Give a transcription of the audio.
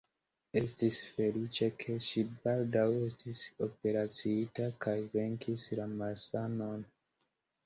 Estis feliĉe, ke ŝi baldaŭ estis operaciita kaj venkis la malsanon.